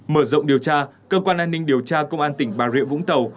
mở rộng điều tra cơ quan an ninh điều tra công an tỉnh bà rịa vũng tàu